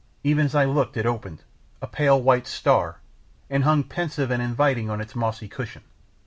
Even as I looked it opened, a pale white star, and hung pensive and inviting on its mossy cushion.